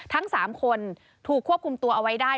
ทั้ง๓คนถูกควบคุมตัวเอาไว้ได้